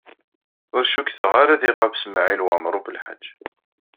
Ur cukkteɣ ara ad iɣab Smawil Waɛmaṛ U Belḥaǧ.